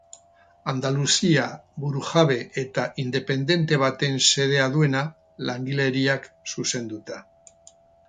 Andaluzia burujabe eta independente baten xedea duena, langileriak zuzenduta.